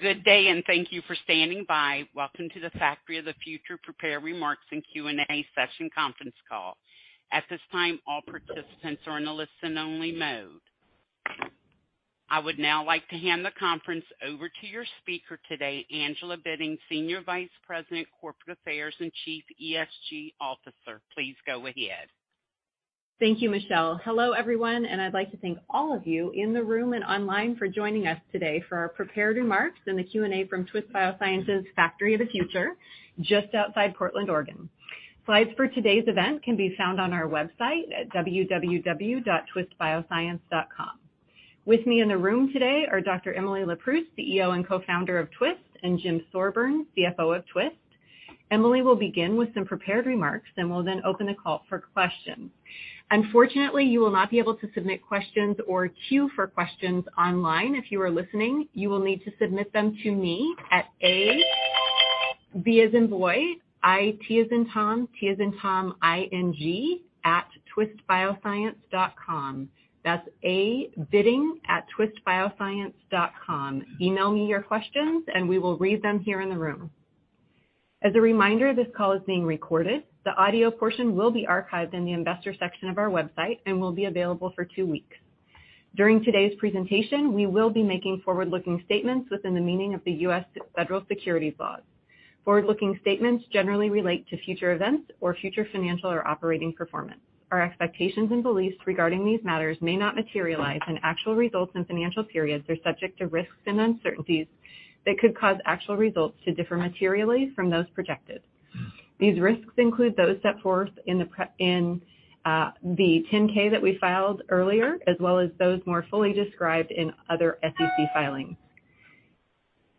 Good day. Thank you for standing by. Welcome to the Factory of the Future Prepared Remarks and Q&A Session Conference Call. At this time, all participants are in a listen-only mode. I would now like to hand the conference over to your speaker today, Angela Bitting, Senior Vice President, Corporate Affairs and Chief ESG Officer. Please go ahead. Thank you, Michelle. Hello, everyone. I'd like to thank all of you in the room and online for joining us today for our prepared remarks and the Q&A from Twist Bioscience's Factory of the Future, just outside Portland, Oregon. Slides for today's event can be found on our website at www.twistbioscience.com. With me in the room today are Dr. Emily Leproust, CEO and Co-founder of Twist, and Jim Thorburn, CFO of Twist. Emily will begin with some prepared remarks. We'll then open the call for questions. Unfortunately, you will not be able to submit questions or queue for questions online. If you are listening, you will need to submit them to me at A, B as in boy, I, T as in Tom, T as in Tom, I-N-G, @twistbioscience.com. That's abitting@twistbioscience.com. Email me your questions. We will read them here in the room. As a reminder, this call is being recorded. The audio portion will be archived in the Investors section of our website and will be available for two weeks. During today's presentation, we will be making forward-looking statements within the meaning of the U.S. federal securities laws. Forward-looking statements generally relate to future events or future financial or operating performance. Our expectations and beliefs regarding these matters may not materialize, and actual results and financial periods are subject to risks and uncertainties that could cause actual results to differ materially from those projected. These risks include those set forth in the Form 10-K that we filed earlier, as well as those more fully described in other SEC filings.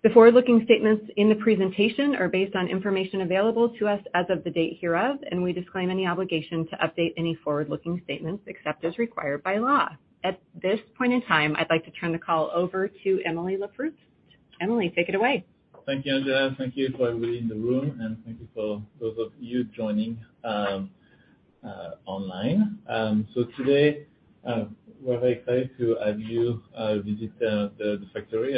The forward-looking statements in the presentation are based on information available to us as of the date hereof. We disclaim any obligation to update any forward-looking statements except as required by law. At this point in time, I'd like to turn the call over to Emily Leproust. Emily, take it away. Thank you, Angela. Thank you for everybody in the room. Thank you for those of you joining online. Today, we're very excited to have you visit the factory.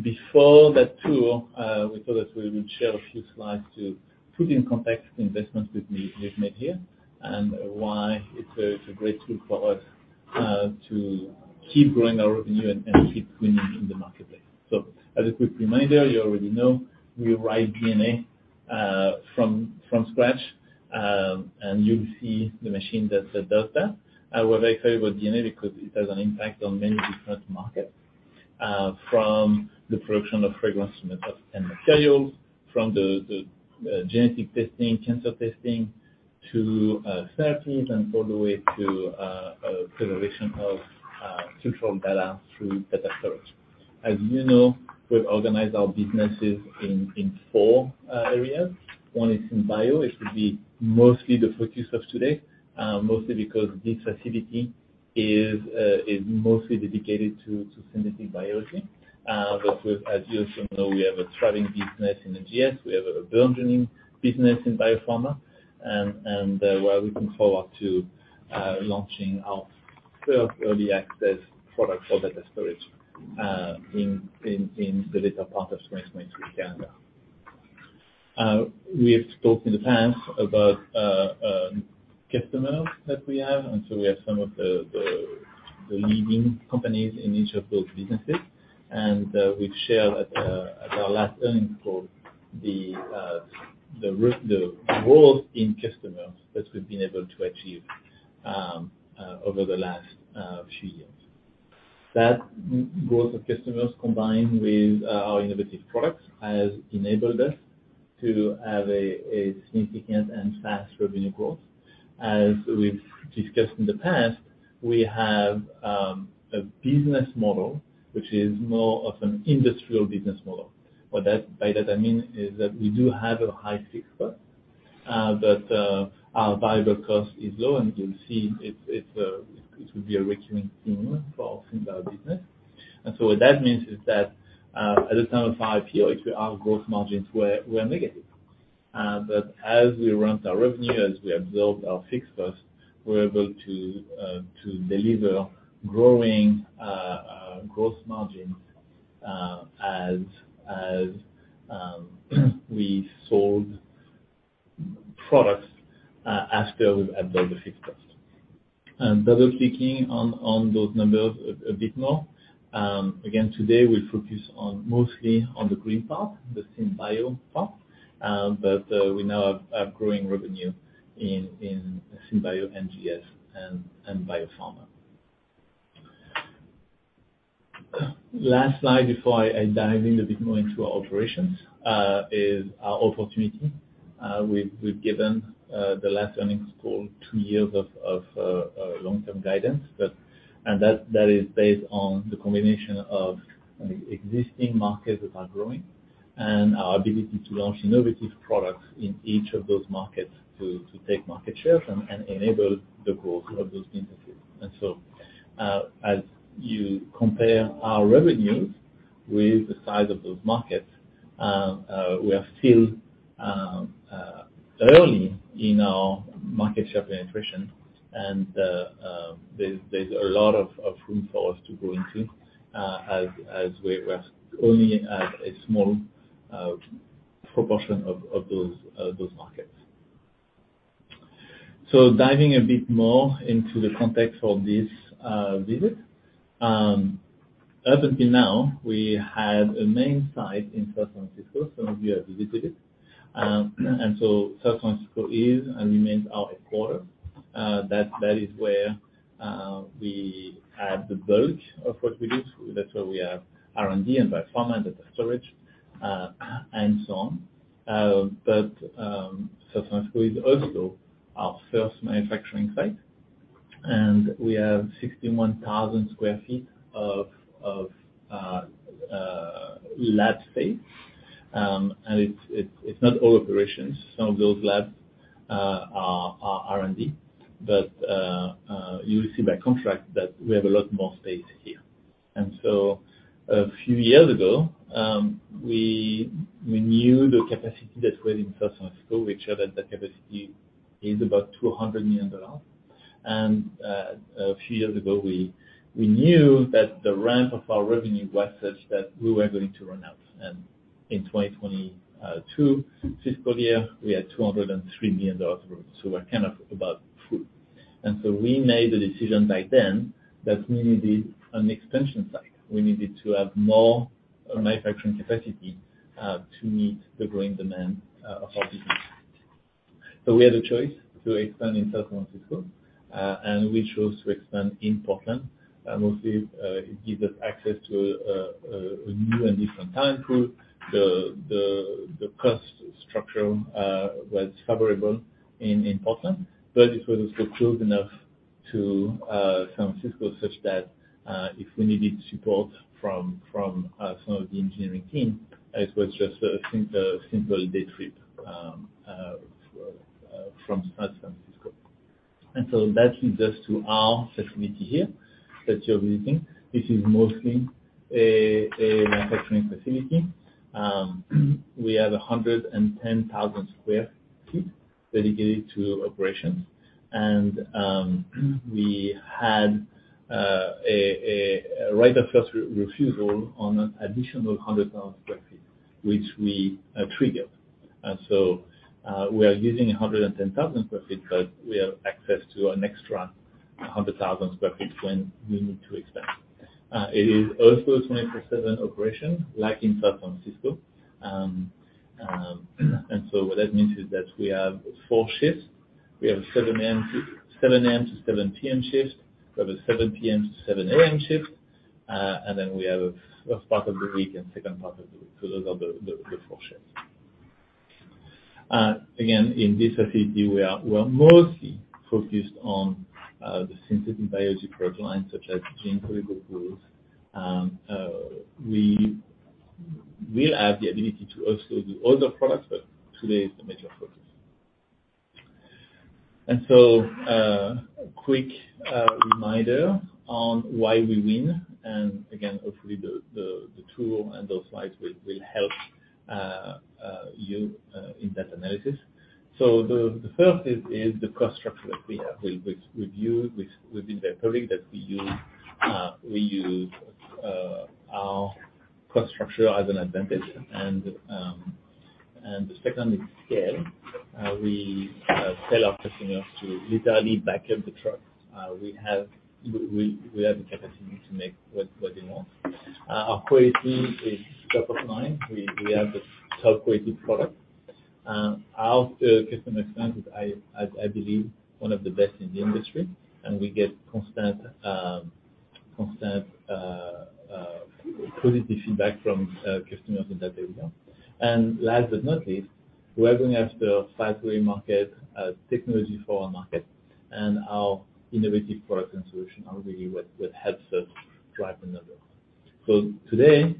Before that tour, we thought that we would share a few slides to put in context the investments we've made here, and why it's a great tool for us to keep growing our revenue and keep winning in the marketplace. As a quick reminder, you already know we write DNA from scratch, and you'll see the machine that does that. We're very excited about DNA because it has an impact on many different markets, from the production of fragrances and materials, from the genetic testing, cancer testing to therapies and all the way to preservation of structural data through data storage. As we've organized our businesses in four areas. One is in bio. It will be mostly the focus of today, mostly because this facility is mostly dedicated to synthetic biology. As you also know, we have a thriving business in NGS. We have a burgeoning business in biopharma. We are looking forward to launching our first early access product for data storage in the later part of 2023 calendar. We have spoken in the past about customers that we have. We have some of the leading companies in each of those businesses. We've shared at our last earnings call the growth in customers that we've been able to achieve over the last few years. That growth of customers, combined with our innovative products, has enabled us to have a significant and fast revenue growth. As we've discussed in the past, we have a business model which is more of an industrial business model. By that I mean is that we do have a high fixed cost, but our variable cost is low, and you'll see it will be a recurring theme for our business. What that means is that, at the time of IPO, our growth margins were negative. As we ramped our revenue, as we absorbed our fixed costs, we were able to deliver growing growth margins as we sold products after we've absorbed the fixed cost. Double-clicking on those numbers a bit more, again today we'll focus on mostly on the green part, the synbio part, we now have growing revenue in synbio, NGS, and biopharma. Last slide before I dive in a bit more into our operations is our opportunity. We've given the last earnings call 2 years of long-term guidance that is based on the combination of existing markets that are growing and our ability to launch innovative products in each of those markets to take market shares and enable the growth of those businesses. As you compare our revenues with the size of those markets, we are still early in our market share penetration, there's a lot of room for us to go into as we're only at a small proportion of those markets. Diving a bit more into the context for this visit. Up until now, we had a main site in San Francisco. Some of you have visited it. San Francisco is and remains our headquarter. That is where we have the bulk of what we do. That's where we have R&D and biopharma, data storage, and so on. San Francisco is also our first manufacturing site, and we have 61,000 sq ft of lab space. It's not all operations. Some of those labs are R&D. You will see by contract that we have a lot more space here. A few years ago, we knew the capacity that we had in San Francisco, which at that capacity is about $200 million. A few years ago, we knew that the ramp of our revenue was such that we were going to run out. In 2022 fiscal year, we had $203 million revenue, so we're kind of about full. We made the decision back then that we needed an extension site. We needed to have more manufacturing capacity to meet the growing demand of our business. We had a choice to expand in San Francisco, and we chose to expand in Portland. Mostly, it gives us access to a new and different talent pool. The cost structure was favorable in Portland, but it was also close enough to San Francisco, such that if we needed support from some of the engineering team, it was just a simple day trip from San Francisco. That leads us to our facility here that you're visiting, which is mostly a manufacturing facility. We have 110,000 square feet dedicated to operations. We had a right of first refusal on an additional 100,000 square feet, which we triggered. We are using 110,000 square feet, but we have access to an extra 100,000 square feet when we need to expand. It is also a 24/7 operation like in San Francisco. What that means is that we have four shifts. We have a 7:00 A.M. to 7:00 P.M. shift. We have a 7:00 P.M. to 7:00 A.M. shift. We have a first part of the week and second part of the week. Those are the four shifts. Again, in this facility, we are mostly focused on the synthetic biology product lines, such as gene Oligo Pools. We will have the ability to also do other products, but today is the major focus. A quick reminder on why we win. Again, hopefully the tool and those slides will help you in that analysis. The first is the cost structure that we have. We've used within the company that we use, we use our cost structure as an advantage. The second is scale. We sell our customers to literally back of the truck. We have the capacity to make what they want. Our quality is top of line. We have the top quality product. Our customer experience is, I believe, one of the best in the industry, and we get constant positive feedback from customers on that area. Last but not least, we're going after a five way market technology for our market. Our innovative product and solution are really what helps us drive the numbers. Today,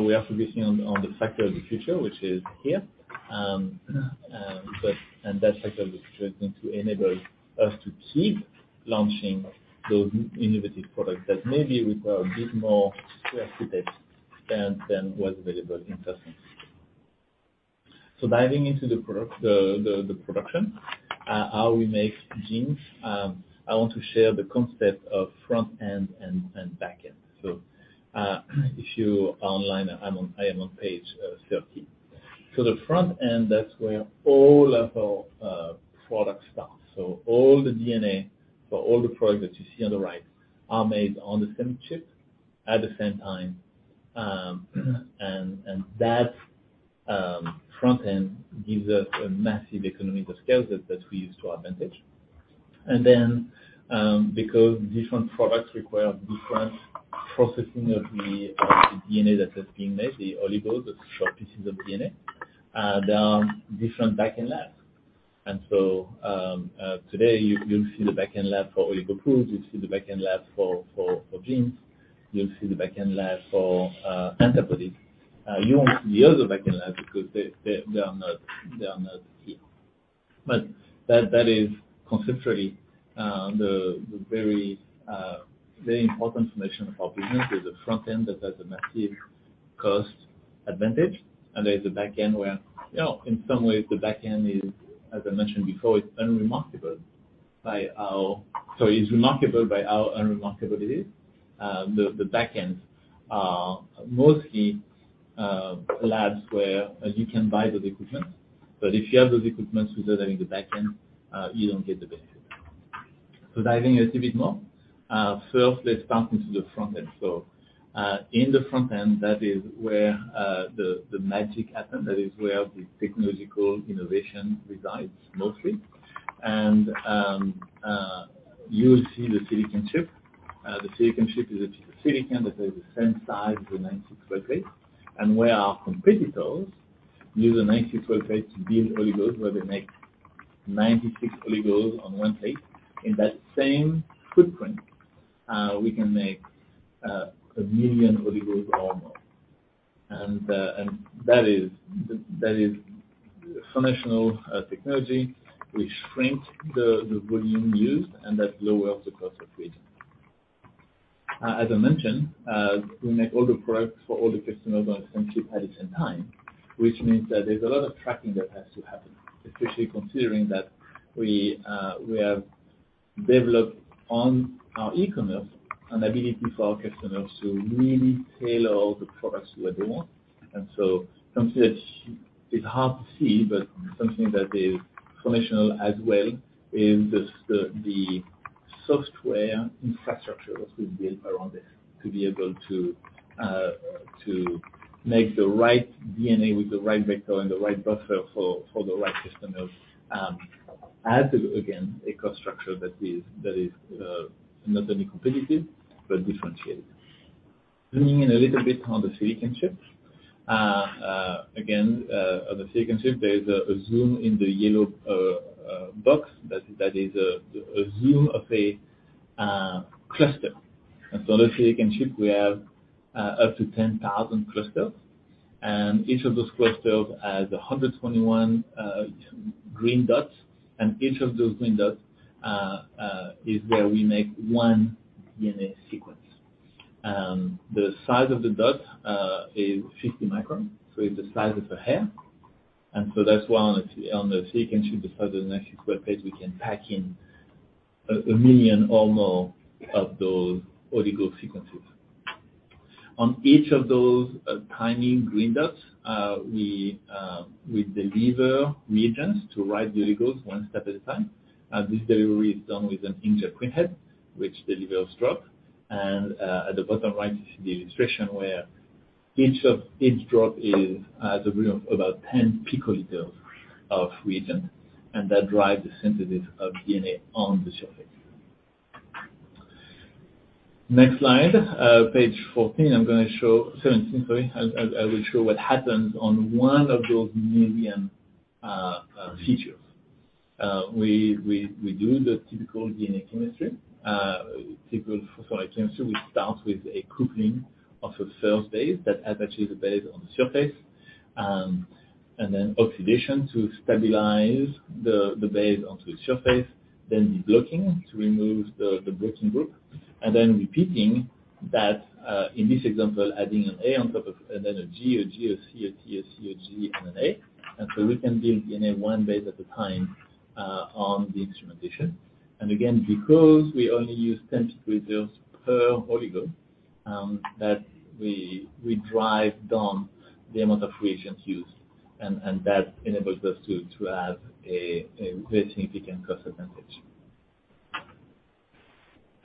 we are focusing on the factory of the future, which is here. That factory of the future is going to enable us to keep launching those innovative products that maybe require a bit more square footage than was available in San Francisco. Diving into the product, the production, how we make genes. I want to share the concept of front-end and back-end. If you are online, I am on page 13. The front-end, that's where all of our product starts. All the DNA for all the products that you see on the right are made on the same chip at the same time. That front-end gives us a massive economy of scale that we use to our advantage. Then, because different products require different processing of the DNA that is being made, the oligos, the short pieces of DNA, there are different back-end labs. Today you'll see the back-end lab for Oligo Pools, you'll see the back-end lab for genes. You'll see the back-end lab for antibodies. You won't see the other back-end labs because they are not here. That, that is conceptually the very important information about the genes is the front-end, that there's a massive cost advantage. There is a back end where in some ways the back end is, as I mentioned before, it's unremarkable by how unremarkable it is. The back end, mostly labs where you can buy the equipment, but if you have those equipments without having the back end, you don't get the benefit. Diving a little bit more. First, let's start into the front end. In the front end, that is where the magic happens. That is where the technological innovation resides mostly. You'll see the silicon chip. The silicon chip is a chip of silicon that has the same size as a 96-well plate. Where our competitors use a 96-well plate to build oligos, where they make 96 oligos on one plate. In that same footprint, we can make 1 million oligos or more. That is foundational technology. We shrink the volume used, and that lowers the cost of reagent. As I mentioned, we make all the products for all the customers on the same chip at the same time, which means that there's a lot of tracking that has to happen, especially considering that we have developed on our e-commerce an ability for our customers to really tailor all the products the way they want. Something that's, it's hard to see, but something that is foundational as well is the software infrastructure that we've built around this to be able to make the right DNA with the right vector and the right buffer for the right customer, adds, again, a cost structure that is not only competitive but differentiated. Zooming in a little bit on the silicon chip. Again, on the silicon chip, there is a zoom in the yellow box. That is a zoom of a cluster. On the silicon chip we have up to 10,000 clusters. Each of those clusters has 121 green dots. Each of those green dots is where we make one DNA sequence. The size of the dot is 50 microns, so it's the size of a hair. That's why on the silicon chip, as opposed to the 96-well plate, we can pack in a million or more of those oligo sequences. On each of those tiny green dots, we deliver reagents to write the oligos one step at a time. This delivery is done with an inkjet printhead, which delivers drop. At the bottom right you see the illustration where each drop has a volume of about 10 picoliters of reagent, and that drives the sensitivity of DNA on the surface. Next slide, page 14. I'm going to show. 17, sorry. I will show what happens on one of those 1 million features. We do the typical DNA chemistry. Typical photolithography, we start with a coupling of a first base that attaches the base on the surface, and then oxidation to stabilize the base onto the surface, then deblocking to remove the blocking group, and then repeating that, in this example, adding an A and then a G, a G, a C, a T, a C, a G, and an A. We can build DNA one base at a time, on the instrumentation. Again, because we only use 10 picoliters per oligo, that we drive down the amount of reagents used, and that enables us to have a very significant cost advantage.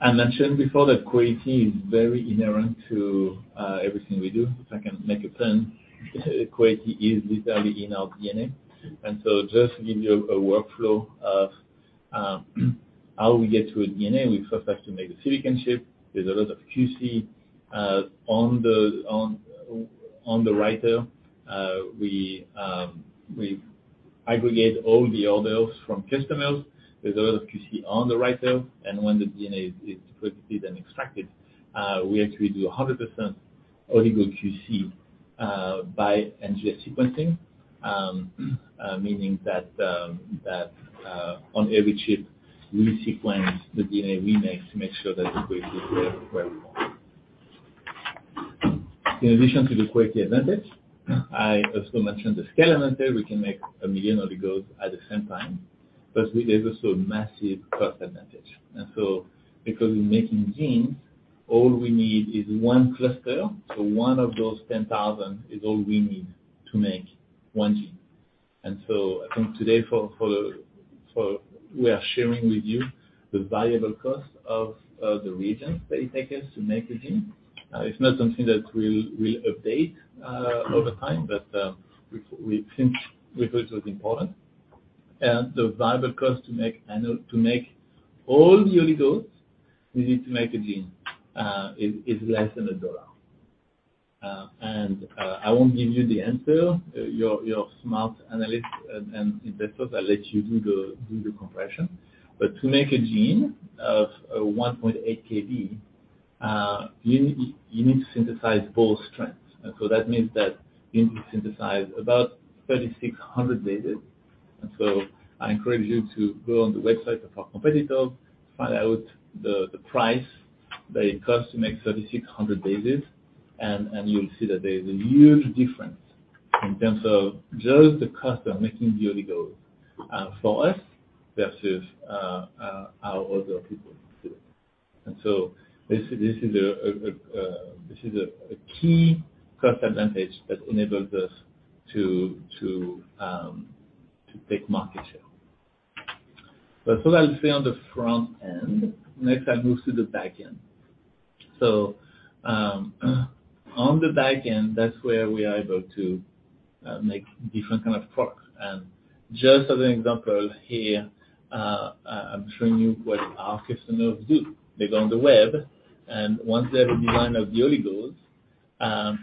I mentioned before that quality is very inherent to everything we do. If I can make a pun, quality is literally in our DNA. Just to give you a workflow of how we get to a DNA, we first have to make a silicon chip. There's a lot of QC on the writer. We aggregate all the orders from customers. There's a lot of QC on the writer. When the DNA is purified and extracted, we actually do a 100% oligo QC by NGS sequencing. Meaning that on every chip, we sequence the DNA we make to make sure that the quality is there where we want. In addition to the quality advantage, I also mentioned the scale advantage. We can make 1 million oligos at the same time, but there's also a massive cost advantage. Because we're making genes, all we need is one cluster. One of those 10,000 is all we need to make 1 gene. I think today we are sharing with you the variable cost of the reagents that it takes us to make a gene. It's not something that we'll update over time, we thought it was important. The variable cost to make all the oligos we need to make a gene is less than $1. I won't give you the answer. You're smart analysts and investors. I'll let you do the calculation. To make a gene of 1.8 kb, you need to synthesize both strands. That means that you need to synthesize about 3,600 bases. I encourage you to go on the website of our competitor, find out the price that it costs to make 3,600 bases, and you'll see that there's a huge difference in terms of just the cost of making the oligos for us versus how other people do it. This is a key cost advantage that enables us to take market share. That's stay on the front end. Next, I'll move to the back end. On the back end, that's where we are able to make different kind of products. Just as an example here, I'm showing you what our customers do. They go on the web, once they have designed their oligos, sorry.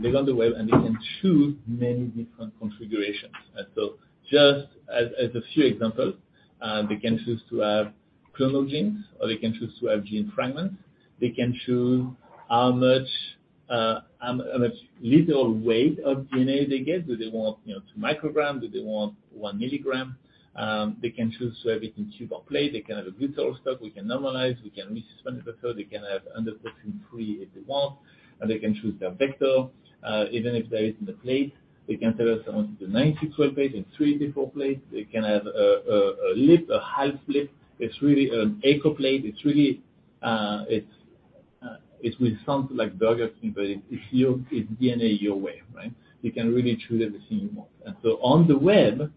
They go on the web, they can choose many different configurations. Just as a few examples, they can choose to have Clonal Genes, or they can choose to have Gene Fragments. They can choose how much little weight of DNA they get. Do they want 2 microgram? Do they want 1 milligram? They can choose to have it in tube or plate. They can have a glycerol stock. We can normalize, we can resuspend the code. They can have endotoxin-free if they want, and they can choose their vector. Even if that is in the plate, they can tell us, "I want it in a 96-well plate, in 3 different plates." They can have a lift, a half lift. It's really an Echo plate. It's really, it's with something like Burger King, but it's DNA your way, right? You can really choose everything you want. On the web,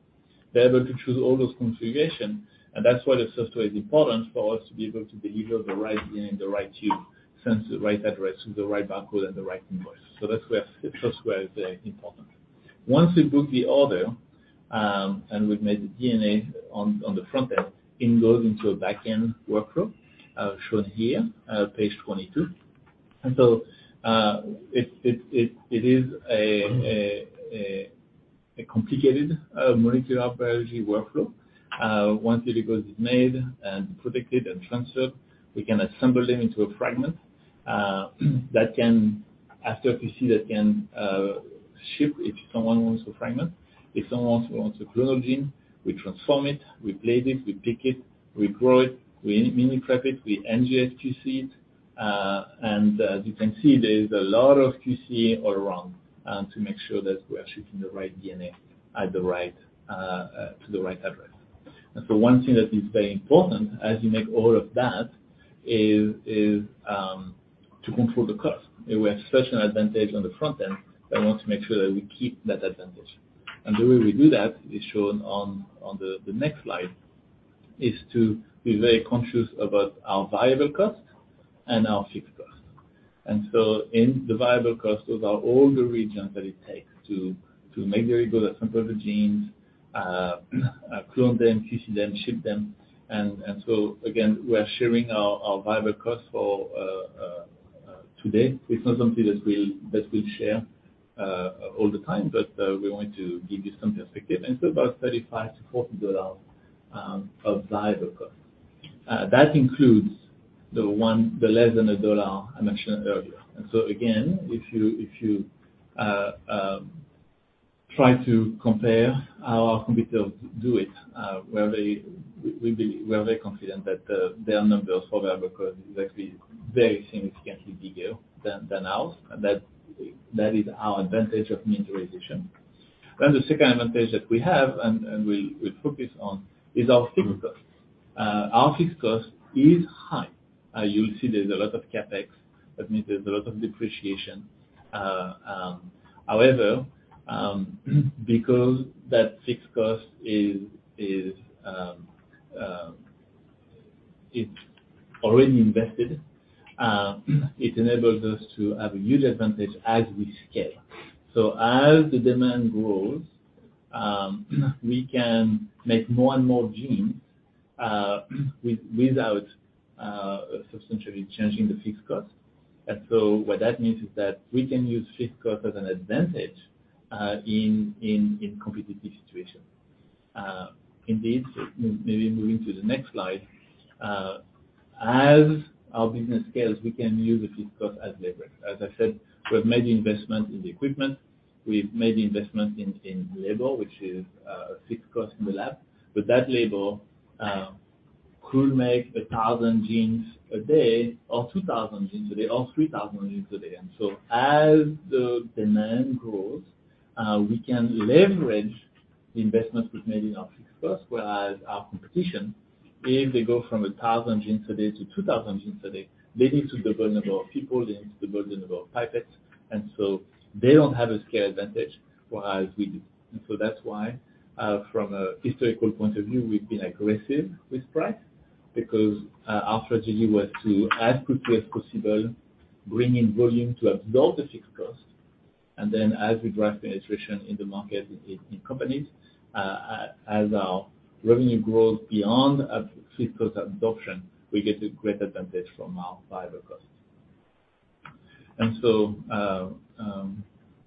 they're able to choose all those configurations, and that's why the software is important for us to be able to deliver the right DNA in the right tube, send to the right address with the right barcode and the right invoice. That's where it's important. Once we book the order, and we've made the DNA on the front end, it goes into a back-end workflow, shown here, page 22. It is a complicated molecular biology workflow. Once it goes made and protected and transferred, we can assemble them into a fragment that can, after QC, that can ship if someone wants a fragment. If someone wants a clonal gene, we transform it, we plate it, we pick it, we grow it, we miniprep it, we NGS QC it. As you can see, there is a lot of QC all around to make sure that we're shipping the right DNA at the right to the right address. One thing that is very important as you make all of that is to control the cost. We have such an advantage on the front end that we want to make sure that we keep that advantage. The way we do that is shown on the next slide, is to be very conscious about our variable cost and our fixed cost. In the variable cost, those are all the regions that it takes to make the regular sample of the genes, clone them, QC them, ship them. Again, we are sharing our variable costs for today. It's not something that we'll share all the time, but we want to give you some perspective. About $35 to 40 of variable cost. That includes the less than a dollar I mentioned earlier. Again, if you try to compare how our competitors do it, where we're very confident that their numbers for variable cost is actually very significantly bigger than ours. That is our advantage of miniaturization. The second advantage that we have, and we'll focus on, is our fixed cost. Our fixed cost is high. You'll see there's a lot of CapEx. That means there's a lot of depreciation. However, because that fixed cost is already invested, it enables us to have a huge advantage as we scale. As the demand grows, we can make more and more genes, without substantially changing the fixed cost. What that means is that we can use fixed cost as an advantage in competitive situation. Indeed, so maybe moving to the next slide. As our business scales, we can use the fixed cost as leverage. As I said, we've made the investment in the equipment. We've made the investment in labor, which is a fixed cost in the lab. That labor could make 1,000 genes a day or 2,000 genes a day or 3,000 genes a day. As the demand grows, we can leverage the investments we've made in our fixed cost, whereas our competition, if they go from 1,000 genes a day to 2,000 genes a day, they need to double the number of people, they need to double the number of pipettes. They don't have a scale advantage whereas we do. That's why, from a historical point of view, we've been aggressive with price because our strategy was to, as quickly as possible, bring in volume to absorb the fixed cost. As we drive penetration in the market, in companies, as our revenue grows beyond a fixed cost absorption, we get a great advantage from our variable costs.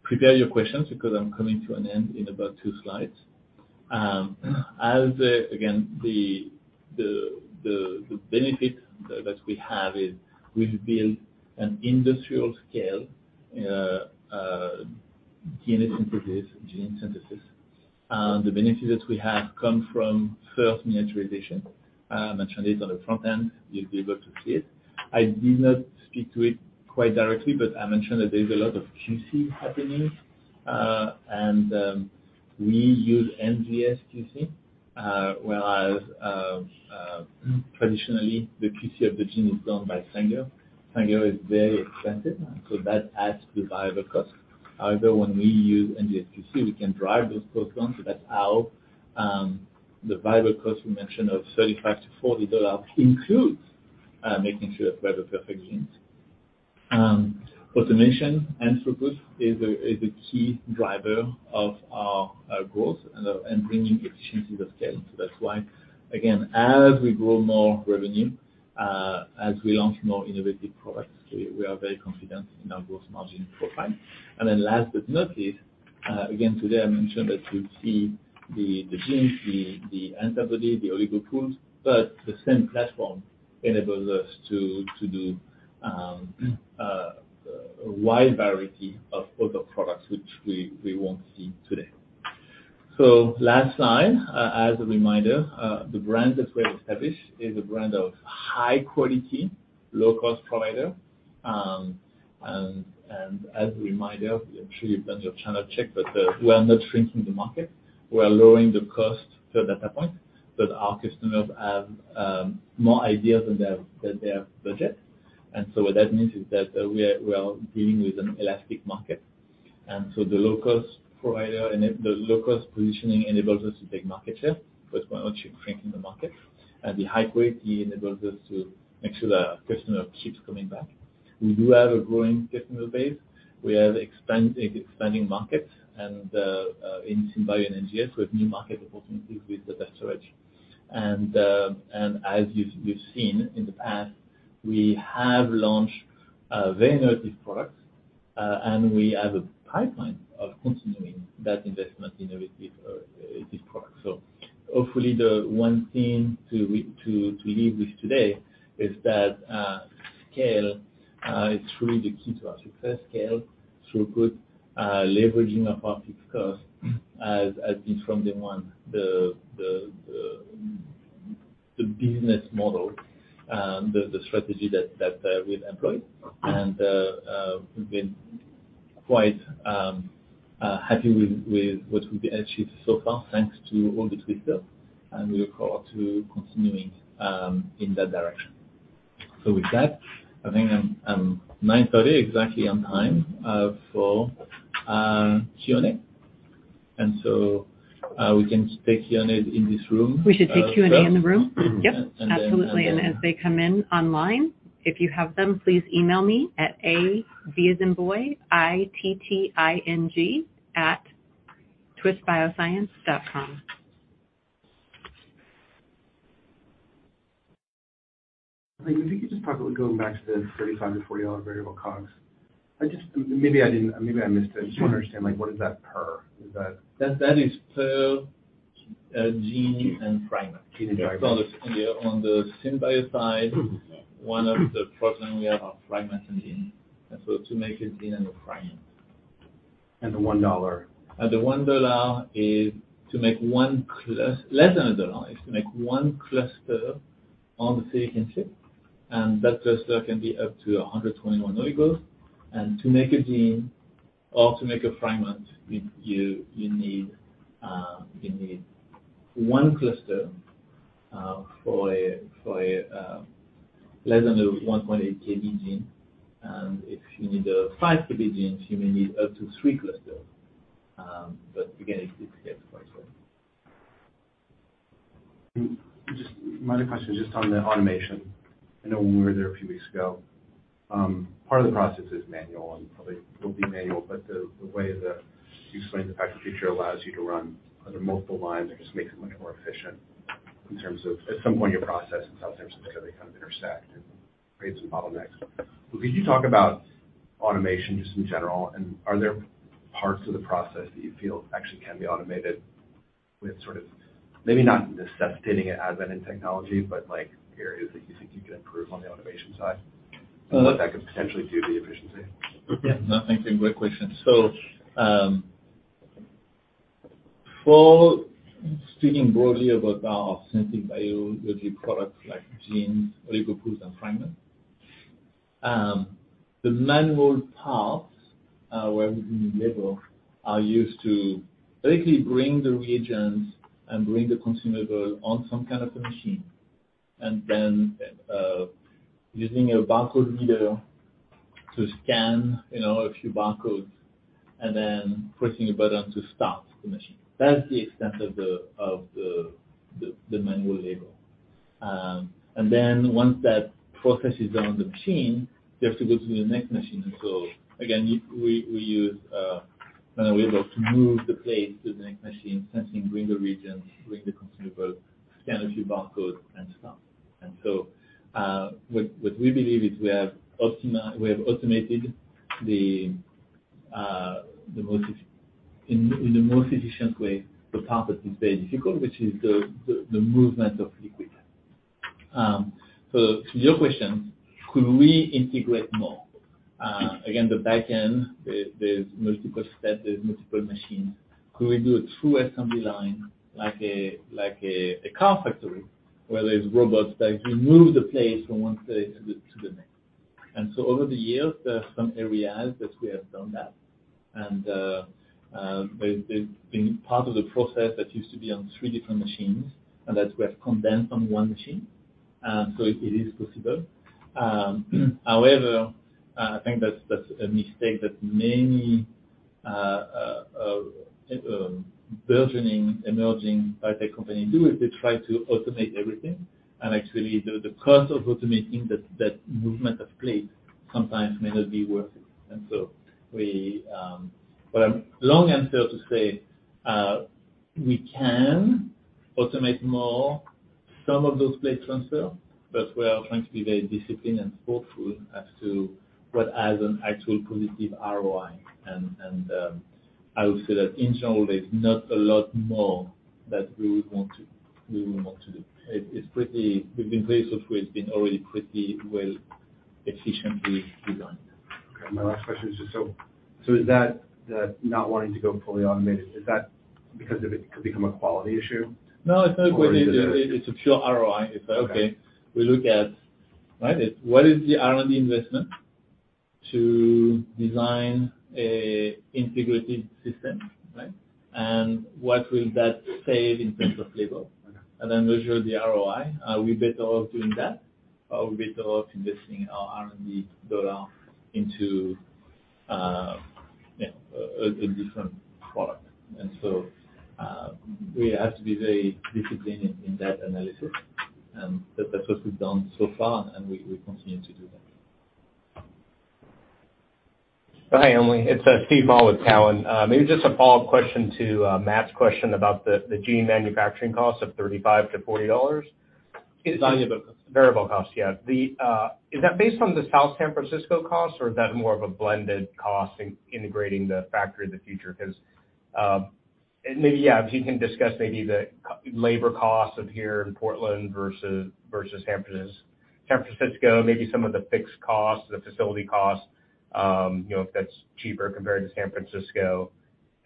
Prepare your questions because I'm coming to an end in about 2 slides. As, again, the benefit that we have is we build an industrial scale DNA synthesis, gene synthesis. The benefit that we have come from first miniaturization. I mentioned this on the front end, you'll be able to see it. I did not speak to it quite directly, but I mentioned that there's a lot of QC happening. We use NGS QC, whereas traditionally the QC of the gene is done by Sanger. Sanger is very expensive, that adds to the viable cost. However, when we use NGS QC, we can drive those programs. That's how the viable cost we mentioned of $35-$40 includes making sure we have the perfect genes. Automation and throughput is a key driver of our growth and bringing efficiency to the scale. That's why, again, as we grow more revenue, as we launch more innovative products, we are very confident in our gross margin profile. Last but not least, again today I mentioned that you see the genes, the antibody, the Oligo Pools, but the same platform enables us to do a wide variety of other products which we won't see today. Last slide, as a reminder, the brand that we have established is a brand of high quality, low cost provider. And as a reminder, I'm sure you've done your channel check, but we are not shrinking the market. We are lowering the cost to that point, so that our customers have more ideas than their budget. What that means is that we are dealing with an elastic market. The low cost positioning enables us to take market share. That's why we're not shrinking the market. The high quality enables us to make sure that customer keeps coming back. We do have a growing customer base. We have an expanding market and in synbio and NGS, we have new market opportunities with the desktop edge. As you've seen in the past, we have launched very innovative products, and we have a pipeline of continuing that investment in innovative products. Hopefully the one theme to leave with today is that scale is truly the key to our success. Scale through good leveraging of our fixed cost, as is from day one the business model, the strategy that we've employed. We've been quite happy with what we've achieved so far, thanks to all the twists here. We look forward to continuing in that direction. With that, I think I'm 9:30, exactly on time for Q&A. We can take Q&A in this room. We should take Q&A in the room. Yes. Then. Absolutely. As they come in online, if you have them, please email me at A, V as in boy, I-T-T-I-N-G @twistbioscience.com. If you could just talk about going back to the $35 to 40 variable COGS. Maybe I didn't, maybe I missed it. I just want to understand, like, what is that per? Is that. That is per gene and fragment. Gene and fragment. On the Synbio side, one of the product line we have are fragments and genes. To make a gene and a fragment. The $1. Less than $1 is to make one cluster on the sequencing chip, and that cluster can be up to 121 oligos. To make a gene or to make a fragment, you need 1 cluster for a less than a 1.8 KB gene. If you need a 5 KB gene, you may need up to 3 clusters. Again, it gets quite low. Just my other question is just on the automation. I know when we were there a few weeks ago, part of the process is manual and probably will be manual, but the way you explained the fact the future allows you to run under multiple lines, it just makes it much more efficient in terms of at some point in your process and sometimes because they kind of intersect and create some bottlenecks. Could you talk about automation just in general? Are there parts of the process that you feel actually can be automated with sort of maybe not necessitating an advent in technology, but like areas that you think you could improve on the automation side? What that could potentially do to the efficiency? Yeah. No, thank you. Great question. For speaking broadly about our synthetic biology products like genes, Oligo Pools and fragments, the manual parts, where we do manual labor, are used to basically bring the reagents and bring the consumables on some kind of a machine. Using a barcode reader to scan a few barcodes and then pressing a button to start the machine. That's the extent of the manual labor. Once that process is done on the machine, you have to go to the next machine. Again, we use manual labor to move the plate to the next machine, essentially bring the reagent, bring the consumable, scan a few barcodes and start. What we believe is we have automated in the most efficient way, the part that is very difficult, which is the movement of liquid. To your question, could we integrate more? Again, the back end, there's multiple steps, there's multiple machines. Could we do a true assembly line like a car factory, where there's robots that you move the plate from one place to the next. Over the years, there are some areas that we have done that. There's been part of the process that used to be on three different machines, and that we have condensed on one machine. It is possible. However, I think that's a mistake that many burgeoning, emerging biotech company do, is they try to automate everything. Actually the cost of automating that movement of plates sometimes may not be worth it. We long answer to say, we can automate more some of those plate transfer, but we are trying to be very disciplined and thoughtful as to what has an actual positive ROI. I would say that in general, there's not a lot more that we would want to do. It's pretty, we've been places where it's been already pretty well efficiently designed. My last question is just so, is that, the not wanting to go fully automated, is that because of it could become a quality issue? No, it's not a quality. Or is it a. It's a pure ROI. Okay. It's okay, we look at, right, what is the R&D investment to design a integrated system, right? What will that save in terms of labor? Okay. Measure the ROI. Are we better off doing that, or are we better off investing our R&D dollar into a different product. We have to be very disciplined in that analysis. That's what we've done so far, and we continue to do that. Hi, Emily. It's Steven Mah with Cowen. Maybe just a follow-up question to Matt's question about the gene manufacturing cost of $35 to 40. Design variable cost. Variable cost, yeah. Is that based on the South San Francisco cost, or is that more of a blended cost in integrating the Factory of the Future? Because, maybe, yeah, if you can discuss maybe the labor costs of here in Portland versus San Francisco, maybe some of the fixed costs, the facility costs if that's cheaper compared to San Francisco.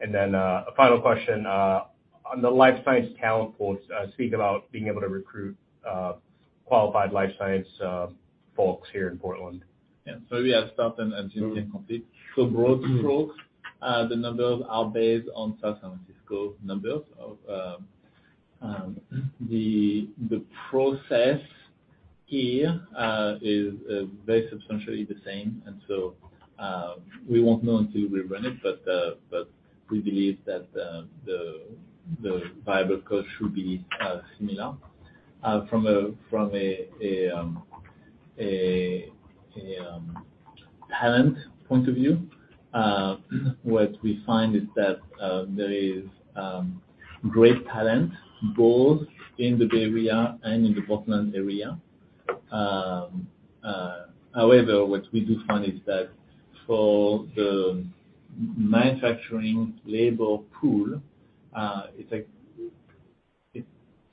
A final question on the life science talent pools, speak about being able to recruit qualified life science folks here in Portland. Yeah. We have staff and agent complete. Broad strokes, the numbers are based on San Francisco numbers of the process here is very substantially the same. We won't know until we run it, but we believe that the viable cost should be similar. From a talent point of view, what we find is that there is great talent both in the Bay Area and in the Portland Area. However, what we do find is that for the manufacturing labor pool,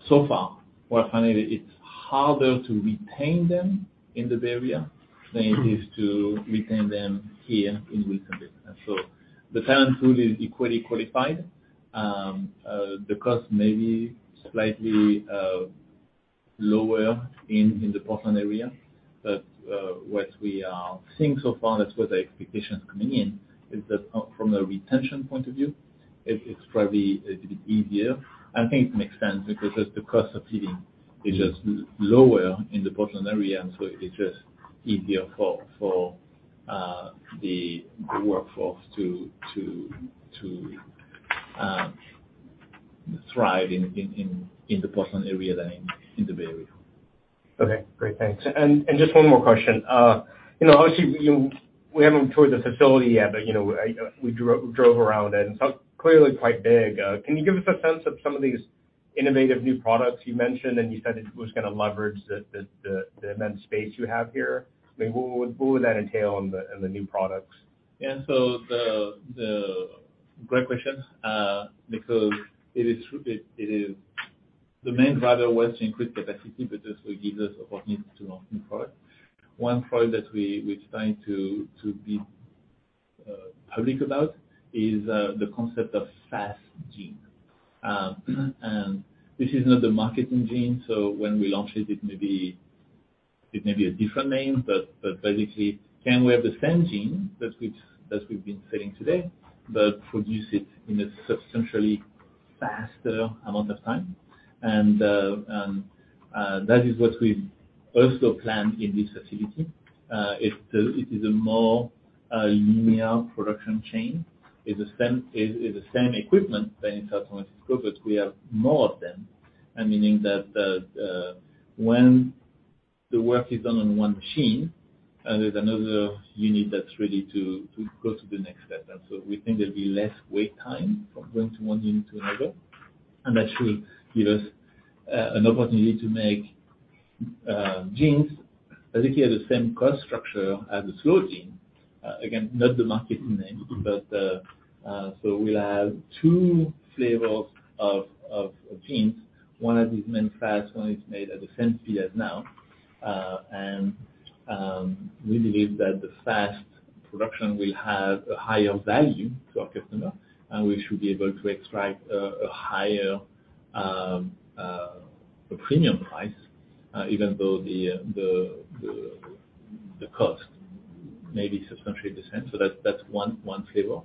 so far, what I find is it's harder to retain them in the Bay Area than it is to retain them here in Wisconsin. The talent pool is equally qualified. The cost may be slightly lower in the Portland area. What we are seeing so far, that's what the expectation coming in, is that from a retention point of view, it's probably a bit easier. I think it makes sense because just the cost of living is just lower in the Portland area. It's just easier for the workforce to thrive in the Portland area than in the Bay Area. Okay. Great. Thanks. Just one more question. obviously, we haven't toured the facility yet, but I, we drove around and it's clearly quite big. Can you give us a sense of some of these innovative new products you mentioned, and you said it was going to leverage the immense space you have here? I mean, what would that entail in the new products? Yeah. Great question. Because it is the main driver was to increase capacity because it will give us opportunity to launch new products. One product that we're trying to be public about is the concept of fast gene. This is not the marketing gene, so when we launch it may be a different name. Basically, can we have the same gene that we've been selling today, but produce it in a substantially faster amount of time? That is what we've also planned in this facility. It is a more linear production chain. It's the same, it's the same equipment than in San Francisco, but we have more of them, and meaning that, when the work is done on one machine and there's another unit that's ready to go to the next step. We think there'll be less wait time from going to one unit to another. That should give us an opportunity to make genes. I think they have the same cost structure as the slow gene. Again, not the marketing name, but so we'll have two flavors of genes. One is manufactured, one is made at the same PS now. We believe that the fast production will have a higher value to our customer, and we should be able to extract a higher premium price, even though the cost may be substantially the same. That's one flavor.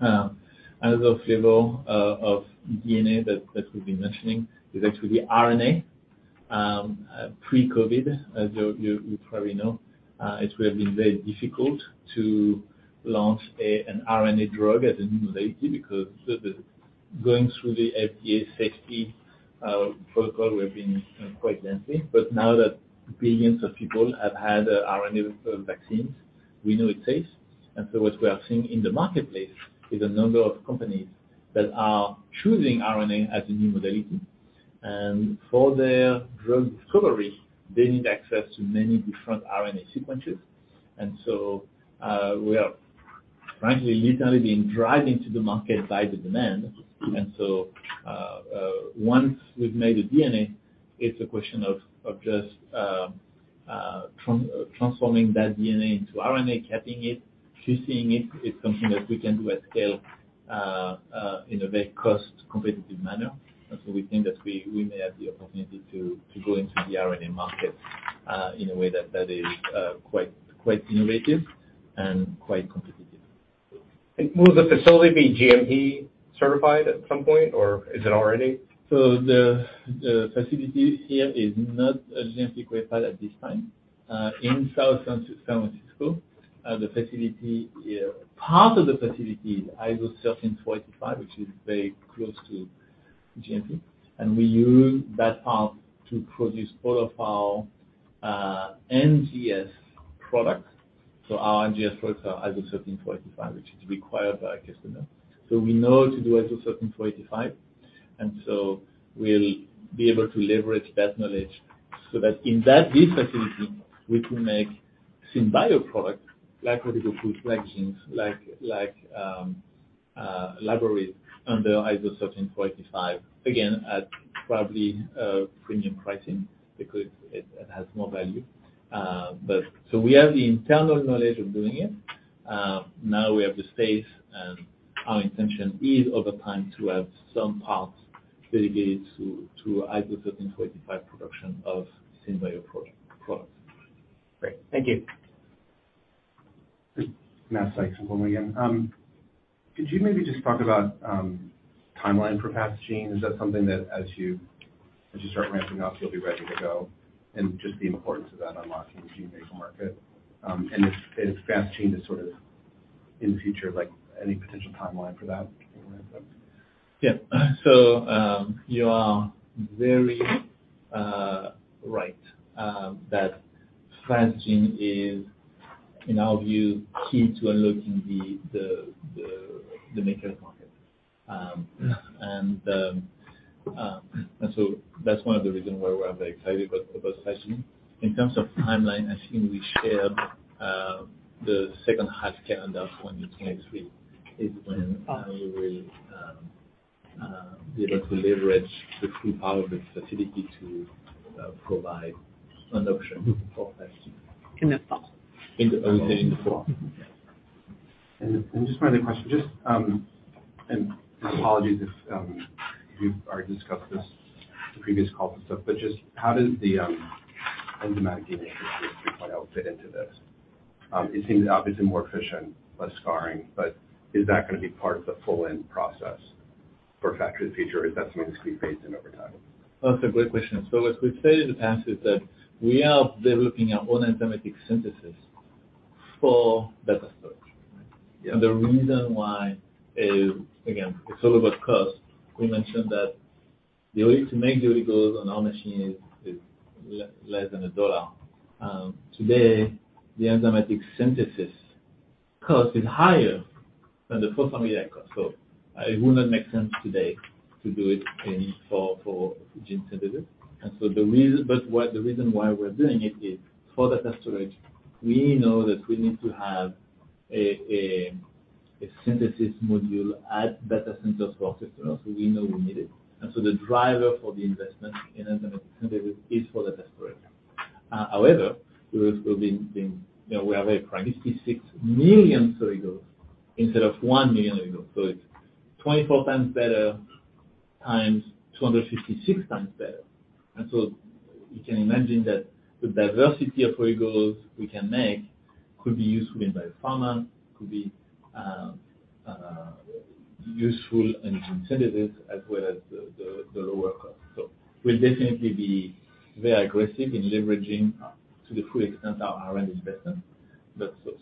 Another flavor of DNA that we've been mentioning is actually RNA. Pre-COVID, as you probably know, it will have been very difficult to launch an RNA drug as a new modality because the going through the FDA safety protocol would have been quite lengthy. Now that billions of people have had RNA vaccines, we know it's safe. What we are seeing in the marketplace is a number of companies that are choosing RNA as a new modality. For their drug discovery, they need access to many different RNA sequences. We have frankly, literally been driving to the market by the demand. Once we've made the DNA, it's a question of just transforming that DNA into RNA, capping it, fusing it. It's something that we can do at scale in a very cost-competitive manner. We think that we may have the opportunity to go into the RNA market in a way that is quite innovative and quite competitive. Will the facility be GMP certified at some point, or is it already? The facility here is not GMP-certified at this time. In South San Francisco, the facility, part of the facility is ISO 1745, which is very close to GMP, we use that part to produce all of our NGS products. Our NGS products are ISO 1745, which is required by our customer. We know to do ISO 1745, we'll be able to leverage that knowledge so that in that new facility, we can make Synbio products like Oligo Pool flex Genes, like libraries under ISO 1745. Again, at probably premium pricing because it has more value. We have the internal knowledge of doing it. Now we have the space, and our intention is over time to have some parts dedicated to ISO 1745 production of synbio pro-products. Great. Thank you. This is Matt Sykes, one moment again. Could you maybe just talk about timeline for fast gene? Is that something that as you start ramping up, you'll be ready to go? Just the importance of that unlocking the gene maker market, and if fast gene is sort of in the future, like any potential timeline for that, if you want to. Yeah. You are very, right, that fast gene is, in our view, key to unlocking the maker market. That's one of the reasons why we're very excited about fast gene. In terms of timeline, I think we shared the second half calendar of 2023 is when we will be able to leverage the full power of the facility to provide an option for fast gene. In the fall. Oh, in the fall. Just one other question. Just apologies if you've already discussed this in previous calls and stuff, just how does the enzymatic DNA synthesis point out fit into this? It seems obviously more efficient, less scarring, but is that going to be part of the full end process for Factory of the Future, or is that something to be phased in over time? That's a good question. As we've said in the past, is that we are developing our own enzymatic synthesis for data storage. Yeah. The reason why is, again, it's all about cost. We mentioned that the way to make the Oligos on our machine is less than $1. Today, the enzymatic synthesis cost is higher than the phosphoramidite chemistry cost. It would not make sense today to do it for gene synthesis. The reason why we're doing it is for data storage. We know that we need to have a synthesis module at data centers for our customers, so we know we need it. The driver for the investment in enzymatic synthesis is for data storage. however we have a practically 6 million Oligos instead of 1 million Oligos. It's 24 times better times 256 times better. You can imagine that the diversity of oligos we can make could be useful in biopharma, could be useful in gene synthesis, as well as the lower cost. We'll definitely be very aggressive in leveraging to the full extent our end investment.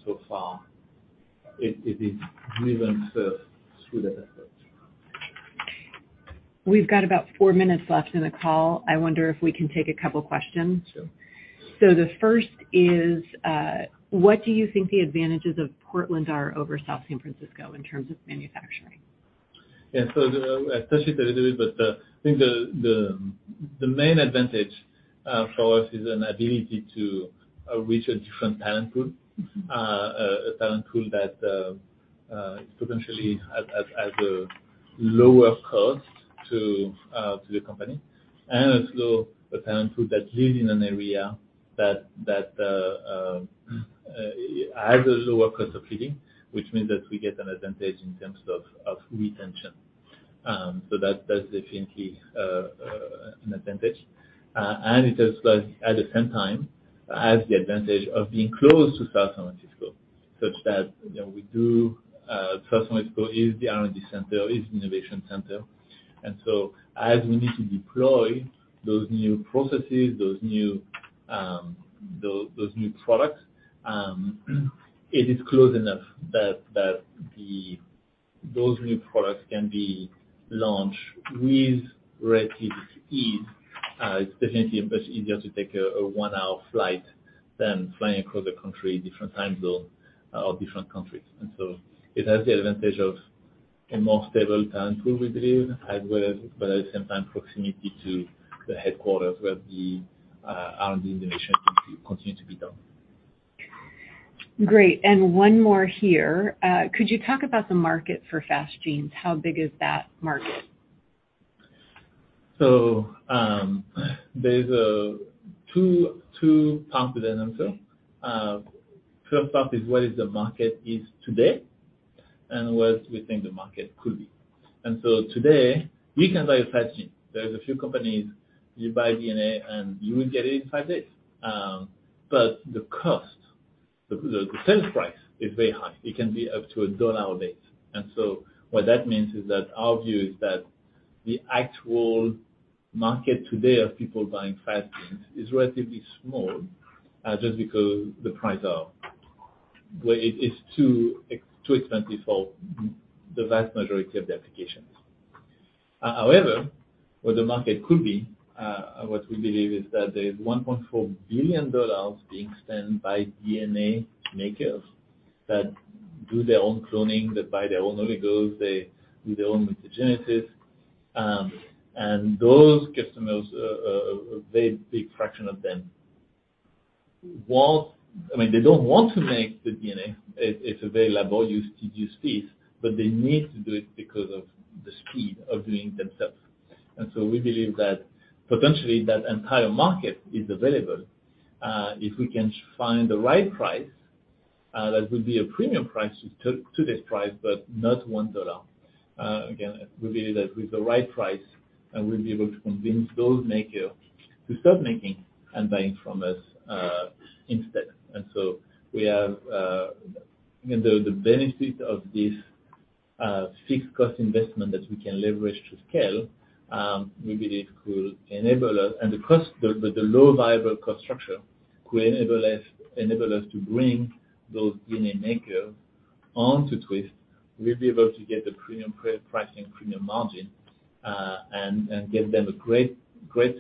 So far it is driven first through data storage. We've got about four minutes left in the call. I wonder if we can take a couple questions. Sure. The first is, what do you think the advantages of Portland are over South San Francisco in terms of manufacturing? I touched it a little bit, but I think the main advantage for us is an ability to reach a different talent pool. A talent pool that potentially has a lower cost to the company, and a talent pool that lives in an area that has a lower cost of living, which means that we get an advantage in terms of retention. That's definitely an advantage. It is like, at the same time, has the advantage of being close to San Francisco, such that we do, San Francisco is the R&D center, is the innovation center. As we need to deploy those new processes, those new products, it is close enough that those new products can be launched with relative ease. It's definitely a bit easier to take a 1-hour flight than flying across the country, different time zone or different countries. It has the advantage of a more stable talent pool, we believe, as well as, but at the same time, proximity to the headquarters where R&D innovation can continue to be done. Great. One more here. Could you talk about the market for fast genes? How big is that market? There's two parts to that answer. First part is what is the market is today, what we think the market could be. Today, we can buy a fast gene. There's a few companies, you buy DNA, you will get it in 5 days. The cost, the sales price is very high. It can be up to $1 a base. What that means is that our view is that the actual market today of people buying fast genes is relatively small, just because the price are where it is too expensive for the vast majority of the applications. What the market could be, what we believe is that there's $1.4 billion being spent by DNA markers that do their own cloning, that buy their own oligos, they do their own metagenomics. Those customers, a very big fraction of them I mean, they don't want to make the DNA. It's available. Use TGUs fees. They need to do it because of the speed of doing it themselves. We believe that potentially that entire market is available if we can find the right price, that would be a premium price to this price, but not $1. Again, we believe that with the right price, and we'll be able to convince those maker to start making and buying from us instead. We have the benefit of this fixed cost investment that we can leverage to scale, we believe could enable us. The low viable cost structure could enable us to bring those DNA markers onto Twist. We'll be able to get the premium pricing, premium margin, and give them a great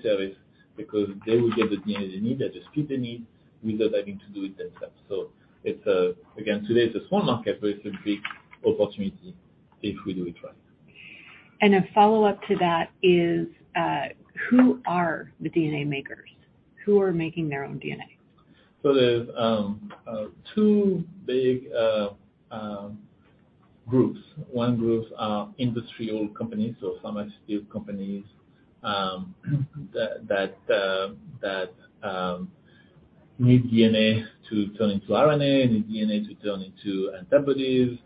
service because they will get the DNA they need at the speed they need without having to do it themselves. It's again, today it's a small market, but it's a big opportunity if we do it right. A follow-up to that is, who are the DNA markers? Who are making their own DNA? There's two big groups. One group are industrial companies, so pharmaceutical companies that need DNA to turn into RNA, need DNA to turn into antibodies.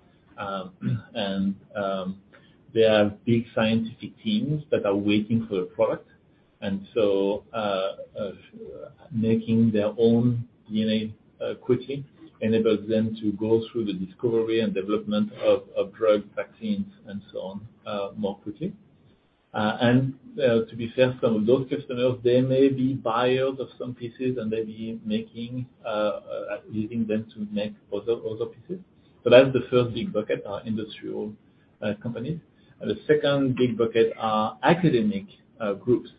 They are big scientific teams that are waiting for a product. Making their own DNA quickly enables them to go through the discovery and development of drug vaccines and so on, more quickly. To be fair to some of those customers, they may be buyers of some pieces and may be making, using them to make other pieces. That's the first big bucket, are industrial companies. The second big bucket are academic groups.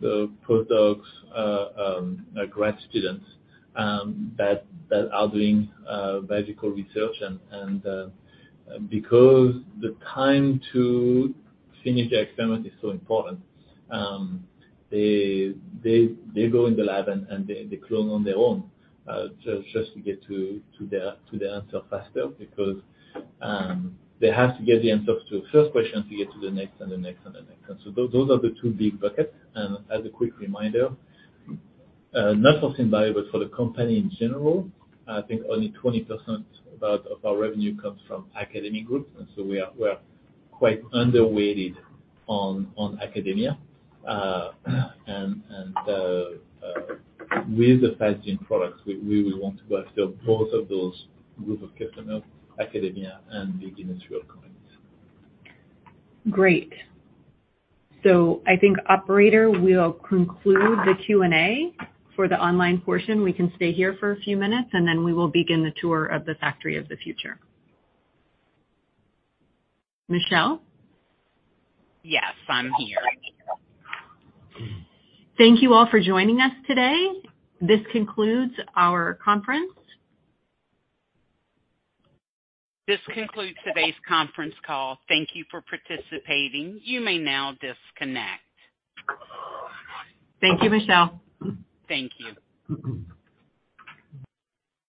The postdocs, grad students, that are doing biological research and, because the time to finish the experiment is so important, they go in the lab and they clone on their own, just to get to the answer faster because, they have to get the answer to the first question to get to the next and the next and the next. Those are the two big buckets. As a quick reminder, not something valuable for the company in general, I think only 20% of our revenue comes from academic groups. We are quite underweighted on academia. With the Fast Gene products, we will want to go after both of those group of customers, academia and big industrial companies. Great. I think operator, we'll conclude the Q&A for the online portion. We can stay here for a few minutes, we will begin the tour of the Factory of the Future. Michelle? Yes, I'm here. Thank you all for joining us today. This concludes our conference. This concludes today's conference call. Thank you for participating. You may now disconnect. Thank you, Michelle. Thank you.